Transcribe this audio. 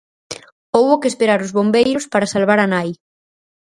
Houbo que esperar os bombeiros para salvar a nai.